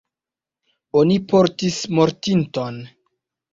Oni portis mortinton.